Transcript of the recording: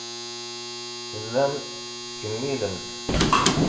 Tellamt tettkemmilemt.